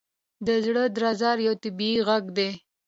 • د زړه درزا یو طبیعي ږغ دی.